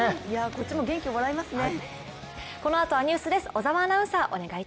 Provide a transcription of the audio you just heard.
こっちも元気もらいますね。